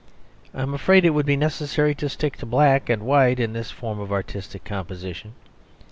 I am afraid it would be necessary to stick to black and white in this form of artistic composition.